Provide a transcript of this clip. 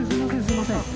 すいません。